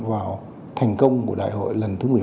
vào thành công của đại hội lần thứ một mươi bốn